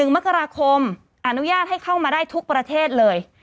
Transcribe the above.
๑มกราคมอนุญาตให้เข้ามาได้ทุกประเทศเลย